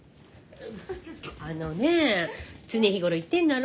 あのねえ常日頃言ってんだろ？